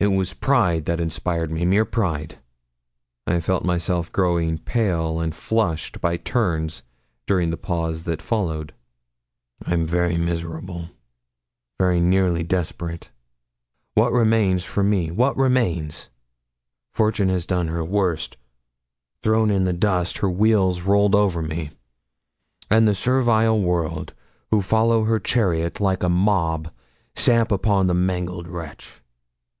It was pride that inspired me mere pride.' I felt myself growing pale and flushed by turns during the pause that followed. 'I'm very miserable very nearly desperate. What remains for me what remains? Fortune has done her worst thrown in the dust, her wheels rolled over me; and the servile world, who follow her chariot like a mob, stamp upon the mangled wretch.